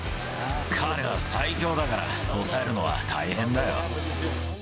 彼は最強だから、抑えるのは大変だよ。